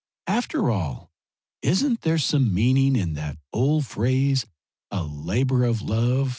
After all, isn't there some meaning in that old phrase 'a labour of love'?